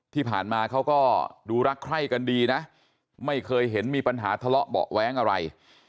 ที่ผ่านมาเขาก็ดูรักใคร่กันดีนะไม่เคยเห็นมีปัญหาทะเลาะเบาะแว้งอะไร